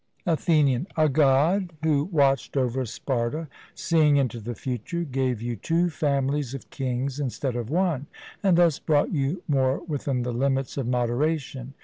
ATHENIAN: A God, who watched over Sparta, seeing into the future, gave you two families of kings instead of one; and thus brought you more within the limits of moderation.